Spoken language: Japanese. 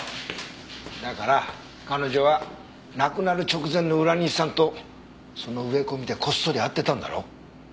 だから彼女は亡くなる直前の浦西さんとその植え込みでこっそり会ってたんだろ？